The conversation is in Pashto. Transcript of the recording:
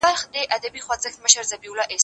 پلان جوړ کړه!؟